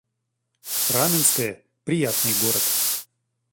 Раменское — приятный город